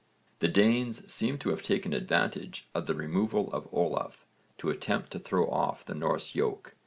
The Danes seem to have taken advantage of the removal of Olaf to attempt to throw off the Norse yoke.